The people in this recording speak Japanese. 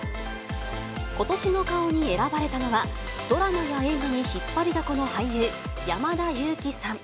今年の顔に選ばれたのは、ドラマや映画に引っ張りだこの俳優、山田裕貴さん。